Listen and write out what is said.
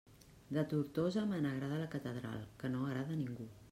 De Tortosa me n'agrada la catedral, que no agrada a ningú!